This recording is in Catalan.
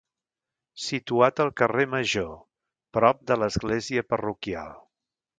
Situat al carrer Major, prop de l'església parroquial.